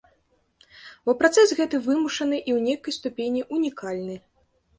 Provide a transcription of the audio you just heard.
Бо працэс гэты вымушаны і ў нейкай ступені унікальны.